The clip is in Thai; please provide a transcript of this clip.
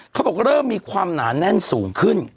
เขาบอกเริ่มมีความหนาแน่นสูงขึ้น